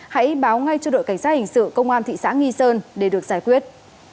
hãy báo ngay cho đội cảnh sát hình sự công an thị xã nghi sơn để được giải quyết